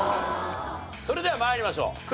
それでは参りましょう。